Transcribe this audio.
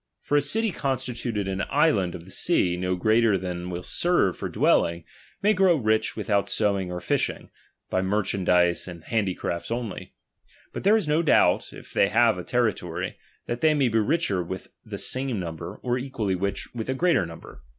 For a city constituted in an island of the sea, no greater than will serve for dwelling, may grow rich with out sowing or fishing, by merchandize and handi crafts only ; but there is no doubt, if they have a territory, that they may be richer with the same number, or equally rich being a gi eater number.